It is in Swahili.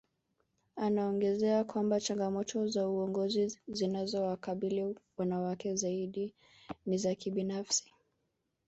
Anaongezea kwamba changamoto za uongozi zinazowakabili wanawake zaidi ni za kibinafsi